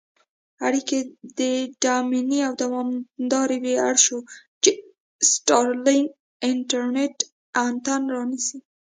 اړیکې ډاډمنې او دوامدارې وي اړ شو، چې سټارلېنک انټرنېټ انتن رانیسي.